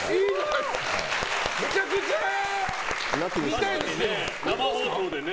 めちゃくちゃ見たいですけどね。